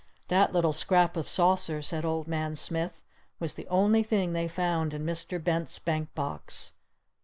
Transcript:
"That little scrap of saucer," said Old Man Smith, "was the only thing they found in Mr. Bent's bank box.